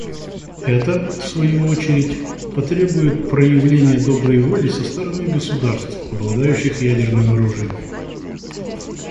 Это, в свою очередь, потребует проявления доброй воли со стороны государств, обладающих ядерным оружием.